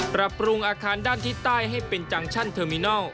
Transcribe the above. ปรับปรุงอาคารด้านทิศใต้ให้เป็นจังชั่นเทอร์มินัล